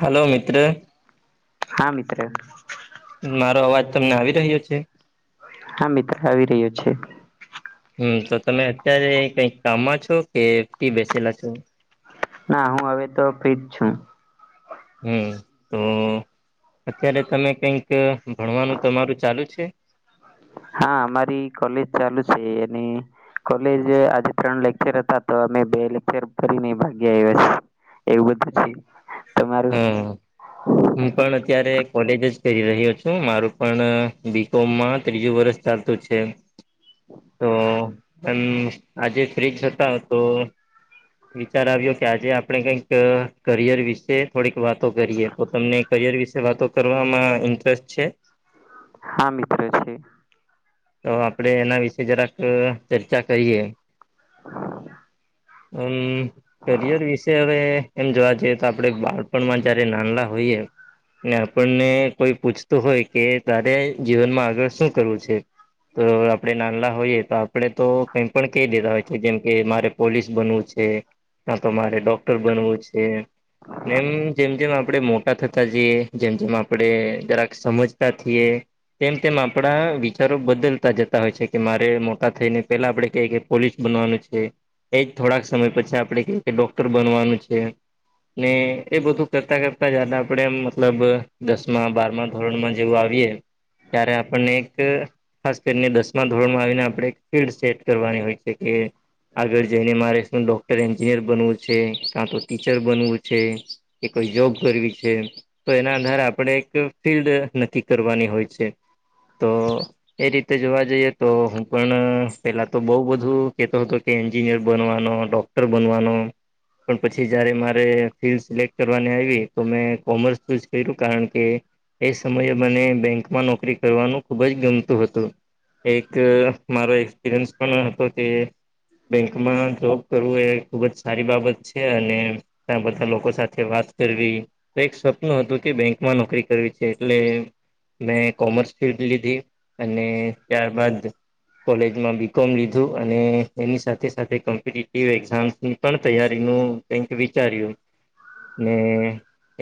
Hello મિત્ર. હા મિત્ર. મારો અવાજ તમને આવી રહ્યો છે. હા મિત્ર આવી રહ્યો છે. હમ્મ તો તમે અત્યારે કઈક કામમાં છો કે ફી બેસેલા છો. ના હું હવે તો ફ્રીજ છું. હમ્મ તો અત્યારે તમે કંઈક ભણવાનું તમારું ચાલુ છે. હા અમારી કોલેજ ચાલુ છે અને કોલેજ આજે ત્રણ લેકચર હતા તો અમે બે લેકચર ભરી ને ભાગી આવ્યા છે. એવું બધું છે તમારું. હમ હું પણ અત્યારે કોલેજ જ કરી રહ્યો છું મારું પણ બી કોમમાં ત્રીજું વર્ષ ચાલતું છે તો એમ આજે ફ્રીજ હતા. તો વિચાર આવ્યો કે આજે આપડે કઈક કરિયર વિશે થોડીક વાતો કરીએ. તો તમને કરિયર વિશે વાતો કરવામાં ઇન્ટરેસ્ટ છે? હા મિત્ર છે. તો આપડે એના વિશેે જરાક ચર્ચા કરીએ. હા. હમ્મ કરિયર વિશે હવે એમ જોવા જઈએ તો આપડે બાળપણમાં જયારે નાનલા હોઈએ ને આપણને કોઈ પૂછતું હોય કે તારે જીવનમાં આગળ શું કરવું છે. તો આપણે નાનલા હોઈએ તો આપડે તો કઈ પણ કહી દેધા હોય છે જેમ કે મારે પોલીસ બનવું છે. કા તો મારે ડોક્ટર બનવું છે. એમ જેમ-જેમ આપણેે મોટા થતા જઈએ જેમ-જેમ આપણેે જરાક સમજતા થીયે. તેમ-તેમ આપડા વિચ વિચારો બદલતા જતા હોય છે કે મારે મોટા થઈને પેલા આપડે કેહ પોલીસ બનવાનું છે. એજ થોડાક સમય પછી આપડે કેહ કે ડોક્ટર બનવાનું છે. ને એ બધું કરતા-કરતા જ અને આપડે મતલબ દસ માં બારમાં ધોરણમાં જેવું આવીએ ત્યારે આપણને એક ખાસ કરીને દસમા ધોરણમાં આવીને આપણે ફિલ્ડ સેટ કરવાની હોય છે કે આગળ જઈને મારે શું ડોક્ટર, એન્જિનિયર બનવું છે કાં તો ટીચર બનવું છે. કે કોઈ જોબ કરવી છે. તો એના અધારે આપણે એક ફિલ્ડ નક્કી કરવાની હોય છે તો એ રીતે જોવા જઈએ તો હું પણ પેલા તો બઉુ બધું કેતો હતો કે એન્જિનિયર બનવાનો ડોક્ટ ટર બનવાનો. પણ પછી જયારે મારે ફિલ્ડ સિલેક્ટ કરવાની આવી તો મેં કોમર્સ ચુજ કર્યું કારણ કે એ સમયે મને બેંકમાં નોકરી કરવાનું ખુબ જ ગમ તુ હતું. એક મારો એક્સપિરિયન્સ પણ હતો કે બેંકમાં જોબ કરવું એ ખુબ જ સારી બાબત છે અને ત્યા બધા લોકો સાથે વાત કરવી એક સપનું હતું કે બેંકમાં નોકરી કરવી છે એટલે મેં કોમર્સ ફિલ્ડ લીધી. અને ત્યારબાદ કોલેજમાં બી કોમ લીધું અને એની સાથે સાથે કોમ્પિટટિવ એક્ઝામ્સની પણ તૈયારીનું કઈક વિચાર્યું ને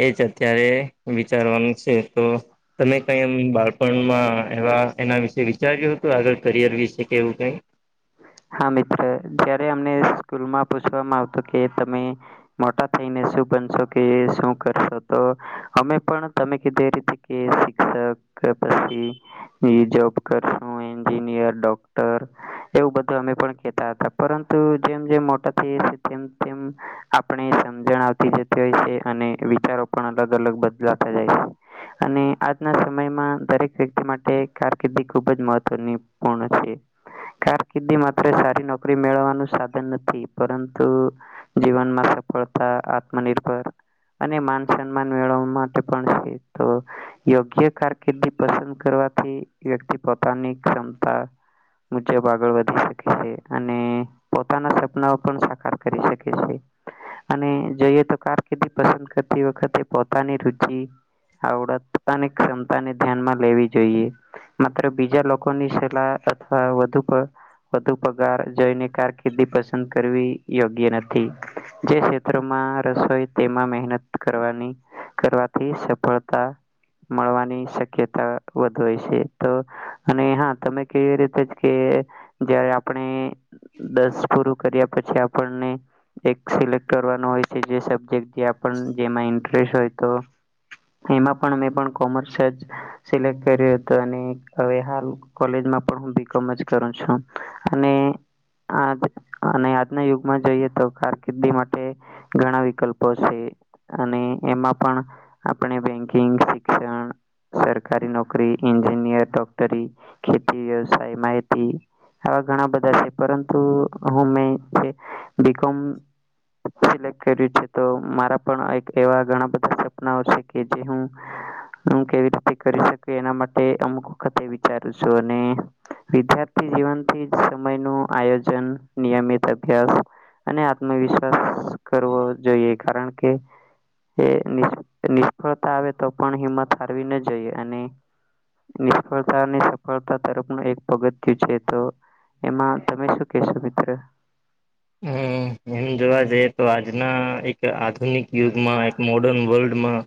એ જ અત્યારે વિચારવાનું છે તો તમે કઈ એમ બાળપણમાં એવા એના વિશે વિચાર્યું હતું આગળ કરિયર વિશે કે એવું કંઈ. હા મિત્ર જયારે અમને સ્કૂલમાં પૂછવામાં આવતુ કે તમે મોટા થઈને શું બનશો કે શું કરશો તો અમે પણ તમે કીધૂ એ રીતે એ શિક્ષક પછી જોબ કરશું એન્જિનિયર ડોક્ટર એવું બધું તો અમે પણ કતા હતા પરંતુ જેમ જેમ મોટા થઈ છે તેમ તેમ આપણે સમજણ આવતી જતી હોય છે અને વિચારો પણ અલગ અલગ બદલાતા જાય છે. અને આજના સમયમાં દરેક વ્યક્તિ માટે કારકિર્દી ખૂબ જ મહત્વની પૂર્ણ છે. ક માત્ર સારી નોકરી મેળવવાનું સાધન નથી પરંતુ જીવનમાં સફળતા આત્મનિર્ભર અને માન સન્માન મેળવવા માટે પણ છે તો યોગ્ય કારકિર્દી પસંદ કરવાથી વ્યક્તિ પોતાની ક્ષમતા મુજબ આગળ વધે અને પોતાના સપના પણ સાકાર કરી શકે છે. અને જોઈએ તો કારકિર્દી પસંદ કરતી વખતે પોતાની રુચિ આવડત પોતાની ક્ષમતા ને ધ્યાનમાં લેવી જોઈએ. માત્ર બીજા લોકોની સલાહ અથવા વધુ વધુ પગાર જઈને કારકિર્દી પસંદ કરવી યોગ્ય નથી જે રસોઈ તેમાં મહેનત કરવાની કરવાથી સફળતા મળવાની શક્યતા વધુ હોય છે તો અને હા તમે કેવી રીતે જ કે જયારે આપણે દસ પૂરું કર્યા પછી આપણને એક સિલેક્ટ કરવાનું હોય છે જે સબજેક્ટ ત્યા પણ જેમાં ઇન્ટરેસ્ટ હોય તો એમાં પણ અમે પણ કોમર્સ જ સિલેક્ટ કર્યું હતું અને અવે હાલ કોલેજમાં પણ હું બી કોમ જ કરુ છુ. અને આજ અને આજના યુગમાં જોઈએ તો કારકિર્દી માટે ઘણા વિકલ્પો છે અને એમાં પણ આપણે બેંકિંગ શિક્ષણ સરકારી નોકરી એન્જિનિયર ડોક્ટરી ખેતી વ્યવસાય માહિતી આવા ઘણા બધા છે પરંતુ હું મેં જે બી કોમ સિલેક્ટ કર્યું છે તો મારા પણ એક એવા ઘણા બધા સપનાઓ છે કે જે હું હું કેવી રીતે કરી શકુ એના માટે અમુક વખતે વિચારું છું અને વિદ્યાર્થી જીવનથી સમયનું આયોજન નિયમિત અભ્યાસ અને આત્મવિશ્વાસ કરવો જોઈએ કારણ કે એ નિષ્ફળતા આવે તો પણ હિંમત હારવી ન જઈએ અને નિષ્ફળતા અને સફળતા તરફનું એક પગ થિયું તો એમાં તમે શું કેશો મિત્ર. હમ્મ એમ જોવા જઈએ તો આજના એક આ આધુનિક યુગમાં એક મોર્ડર્ન વર્લ્ડમાં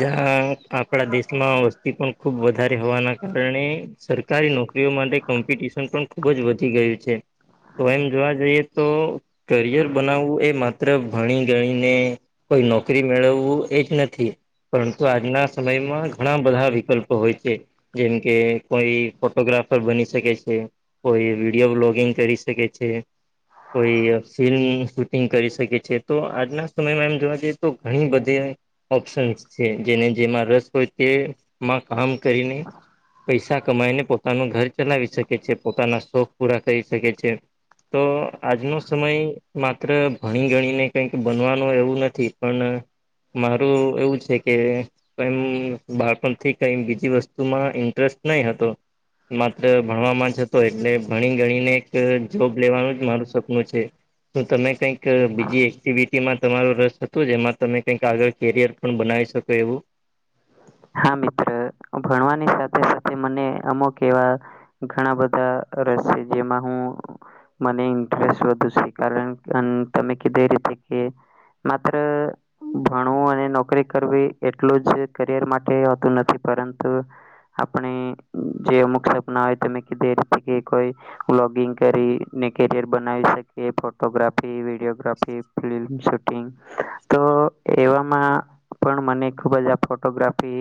જ્યાં આપણા દેશમાં વસ્તી પણ ખુબ વધારે હોવાના કારણે સરકારી નોકરીઓ માટે કોમ્પિટિશન પણ ખુબ જ વધી ગયું છે. તો એમ જોવા જઈએ તો કરિયર બનાવવું એ માત્ર ભણી ગણીને કોઈ નોકરી મેળવવું એજ નથી. પરંતુ આજના સમયમાં ઘણા બધા વિકલ્પો હોય છે. જેમ કે કોઈ ફોટોગ્રાફર બની શકે છે. કોઈ વિડીયો વલોગિંગ કરી શકે છે. કોઈ ફિલ્મ શૂટિંગ કરી શકે છે તો આજના સમયમાં એમ જોવા જઈએ તો ઘણી બધી ઓપ્શન્સ છે જેને જેમાં રસ હોય તેમાં કામ કરીને પૈસા કમાઈને પોતાનું ઘર ચલાવી શકે છે પોતાના શોખ પૂરા કરી શકે છે તો આજનો સમય માત્ર ભણી ગણીને કઈક બનવાનો એવું નથી પણ મારું એવું છે કે બાળપણથી કઈ બીજી વસ્તુમાં ઇન્ટરેસ્ટ નઈ હતો. માત્ર ભણવામાં જ હતો એટલે ભણી ગણીને એક જોબ લેવાનું જ મારું સપનું છે. તો તમે કંઈક બીજી એક્ટિવિટીમાં તમારો રસ હતો જેમાં તમે કઈક આગળ કેરિયર પણ બનાવી શકો એવું. હા મિત્ર ભણવાની સાથે સાથે મને અમુક એવા ઘણા બધા રહેશે જેમાં હું મને ઇન્ટરેસ્ટ વધુ છે કારણ તમે કીધુ એ રીતે માત્ર ભણવું અને નોકરી કરવી એટલું જ કરિયર માટે હોતું નથી પરંતુ આપણે જે અમુક સ્વપ્ના હોય તમે કીધુ એ રીતે કે કોઈ બ્લોગિંગ કરી ને કેરિયર બનાવી શકે ફોટોગ્રાફી વિડીયોગ્રાફી ફિલ્મ શૂટિંગ તો એવામાં પણ મને ખુબ જ આ ફોટોગ્રા ફી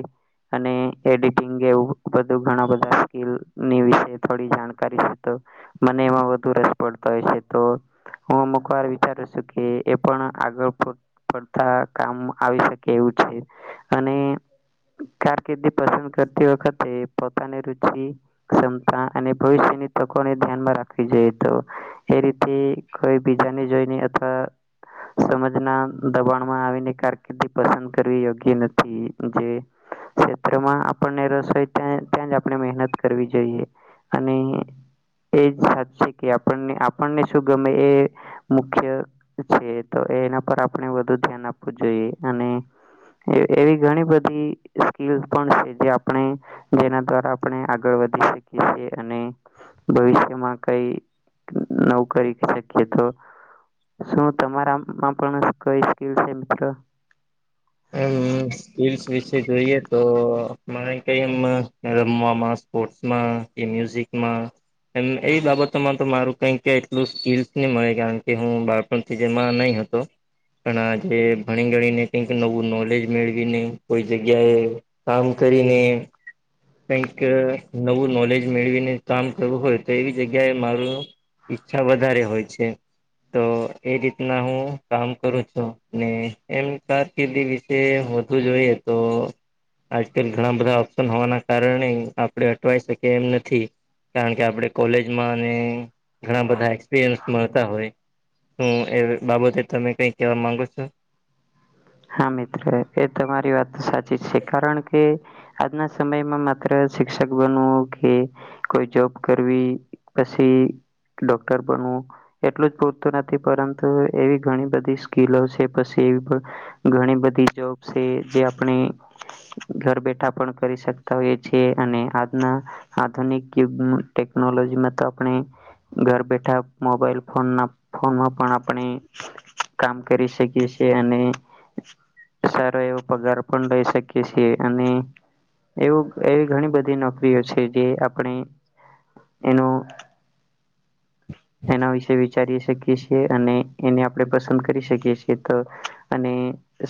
અને એડિટિંગ એવું બધું ઘણા બધા સ્કીલની વિશે થોડી જાણકારી છે તો મને એમાં વધુ રસ પડતો હોય છે તો હું અમુક વાર વિચારું છું કે એ પણ આગળ પડતા કામ આવી શકે એવું છે અને કારકિર્દી પસંદ કરતી વખતે પોતાની રુચિ ક્ષમતા અને ભવિષ્યની તકોને ધ્યાનમાં રાખવી જોઈએ તો એ રીતે કોઈ બીજાની જોઈને અથવા સમજના દબાણમાં આવીને કારકિર્દી પસંદ કરવી યોગ્ય નથી. જે ક્ષેત્રમાં આપણને રસ હોઈ ત્યાં જ આપણે મહેનત કરવી જોઈએ. અને એજ સાચુ છે કે આપણને આપણને શું ગમે એ મુખ્ય છે તો એના પર આપણે વધુ ધ્યાન આપવું જોઈએ અને એવી ઘણી બધી સ્કીલ પણ છે જે આપણે જેના દ્વારા આપણે આગળ વધી શકી છીએ અને ભવિષ્યમાં કઈ નવુ કરી શકીએ તો શું તમારામાં પણ કઈ સ્કીલ છે મિત્ર એમ સ્કિલ્સ વિશે જોઈએ તો મને કઈ એમ રમવામાં સ્પોર્ટસમાં કે મ્યુઝિકમાં એમ એ બાબતોમાં તો મારું કઈક કે એટલું સ્કીલસ નહી મળે કારણ કે હું બાપ પણ થીજ એમાં નહી હતો પણ આજ ભણી ગણીને કઈક નવું નોલેજ મેળવીને કોઈ જગ્યાએ કામ કરીને કઈક નવું નોલેજ મેળવીને કામ કરવું હોય તો એવી જગ્યાએ મારું ઈચ્છા વધારે હોય છે. તો એ રીતના હું કામ કરું છું ને એમ તાસ કેદી વિશે વધુ જોઈએ તો આજકાલ ઘણા બધા ઓપ્શન હોવાના કારણે આપણડે અટવાય શકીએ એમ નથી. કારણ કે આપણે કોલેજમાં ને ઘણા બધા એક્સપિરિયન્સ મળતા હોય હું એ બાબતે તમે કઈ કેવા માગો છો? હા મિત્ર એ તમારી વાત તો સાચી છે કારણ કે આજના સમયમાં માત્ર શિક્ષક બનવું કે કોઈ જોબ કરવી પછી ડોક્ટર બનવું એટલું જ પૂરતું નથી પરંતુ એવી ઘણી બધી સ્કીલો છે પછી ઘણી બધી જોબ છે જે આપણે ઘર બેઠા પણ કરી શકતા હોય છીએ અને આજના આધુનિક યુગમાં ટેકનોલોજી માં તો આપણે ઘર બેઠા મોબાઈલ ફોન ના ફોનમાં પણ આપણે કામ કરી શકીએ છે અને સારો એવો પગાર પણ લઈ શકીએ છીએ અને એવું એવી ઘણી બધી નોકરીઓ છે જે આપણે એનો [inaudible] એના વિશેે વિચારી શકીએ છીએ અને એને આપડે પસંદ કરી શકીએ છીએ તો અને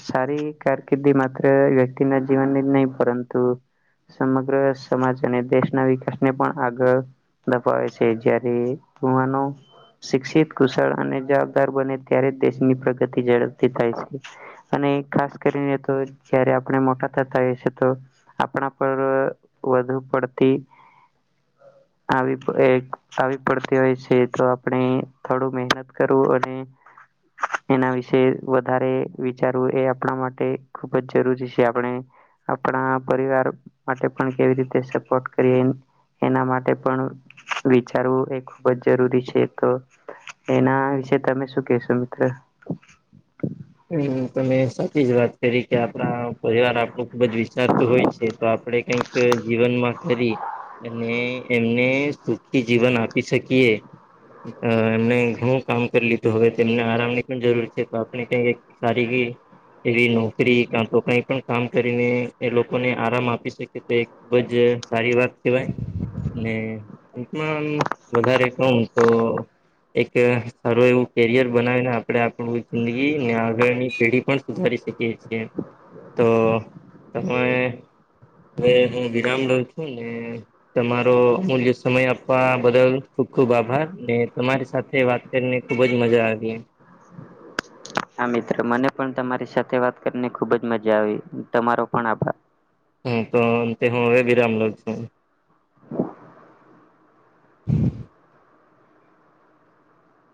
સારી કારકિર્દી માત્ર વ્યક્તિના જીવનની જ નહીં પરંતુ સમગ્ર સમાજ અને દેશના વિકાસને પણ આગળ ધપાવે છે જયારે પુવાનો શિક્ષિત કુશળ અને જવાબદાર બને ત્યારે દેશની પ્રગતિ ઝડપથી થાય છે. અને ખાસ કરીને તો જયારે આપણે મોટા થતા હઈ એ તો આપણા પર વધુ પડતી આવી એક આવી પડતી હોય છે તો આપડે થોડું મહેનત કરવું અને એના વિશે વધારે વિ ચારવું એ આપણા માટે ખુબ જ જરૂરી છે આપણે આપણા પરિવાર માટે પણ કેવી રીતે સપોર્ટ કરીએ. એના માટે પણ વિચારવું એ ખૂબ જ જરૂરી છે તો એના વિશે તમે શું કેહેશો મિત્ર હમ્મ તમે સાચી જ વાત તરીકે આપડા પરિવાર આપણું ખુબ જ વિચારતું હોય છે તો આપડે કઈક જીવનમાં કરી અને એમને સુખી જીવન આપી શકીએ અ એમને ઘણું કામ કરી લીધું હવે એમને આરામની પણ જરૂર છે તો આપણે કંઈક સારી ગી એવી નોકરી કાતો કઈ પણ કામ કરીને એ લોકોને આરામ આપી શ કે તે ખુબજ સારી વાત કેવાય ને અંતમા આમ વધારે કહું તો એક સારું એવું કેરિયર બનાવીને આપડે આપણું જિંદગી, અને આગળની પેઢી પણ સુધારી શકીએ છીએ. તો તમે હવે હું વિરામ લઉં છું ને, તમારો અમૂલ્ય સમય આપવા બદલ ખુબ-ખુબ આભાર ને તમારી સાથે વાત કરીને ખુબ જ મજા આવી. હા મિત્ર મને પણ તમારી સાથે વાત કરીને ખુબ જ મજા આવી તમારો પણ આભાર. હા તો તે હું હવે વિરામ લઉ છું.